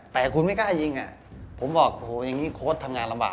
แต่คุณไม่กล้ายิงอ่ะผมบอกโหอย่างนี้โค้ดทำงานลำบาก